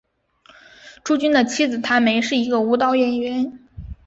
朱军的妻子谭梅是一个舞蹈演员。